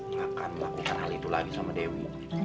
gak akan lakukan hal itu lagi sama dewi